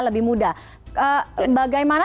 lebih mudah bagaimana